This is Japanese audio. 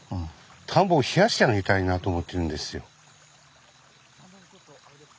田んぼを冷やしてあげたいなと思ってるんですよ。